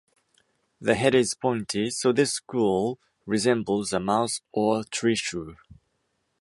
The head is pointy, so this squirrel resembles a mouse or a treeshrew.